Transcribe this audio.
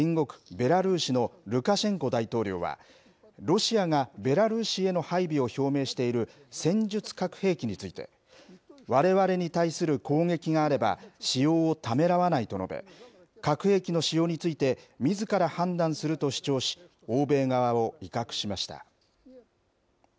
ベラルーシのルカシェンコ大統領は、ロシアがベラルーシへの配備を表明している戦術核兵器について、われわれに対する攻撃があれば、使用をためらわないと述べ、核兵器の使用について、みずから判断すると主張し、欧米側を威嚇しました。